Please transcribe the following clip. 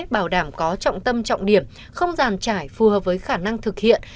bảo đảm có trọng tâm trọng điểm không giàn trải phù hợp với khả năng thực hiện